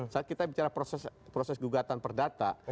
saat kita bicara proses gugatan perdata